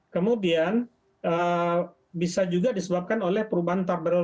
kemudian bisa juga disebabkan oleh perubahan tabel mortalita